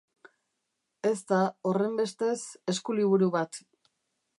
Ez da, horrenbestez, eskuliburu bat.